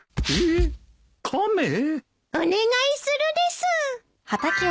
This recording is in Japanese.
お願いするです。